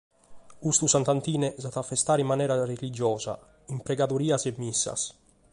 Custu Sant’Antine s’at a festare in manera religiosa, cun pregadorias e missas.